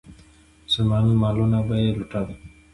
مسلمانانو مالونه به یې لوټل.